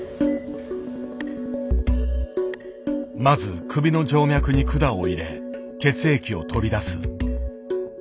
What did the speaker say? まず首の静脈に管を入れ血液を取り出す。